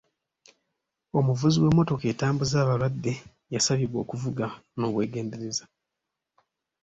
Omuvuzi w'emmotoka etambuza abalwadde yasabibwa okuvuga n'obwegendereza.